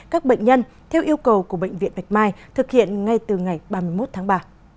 các bệnh nhân theo yêu cầu của bệnh viện bạch mai thực hiện ngay từ ngày ba mươi một tháng ba